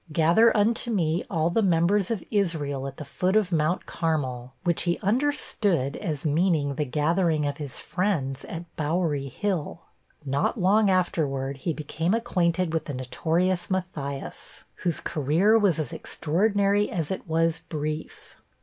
Gather unto me all the members of Israel at the foot of Mount Carmel'; which he understood as meaning the gathering of his friends at Bowery Hill. Not long afterward, he became acquainted with the notorious Matthias, whose career was as extraordinary as it was brief.